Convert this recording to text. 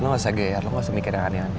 lo gausah geyer lo gausah mikir yang aneh aneh